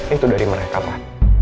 itu dari mereka pak